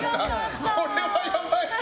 これはやばい。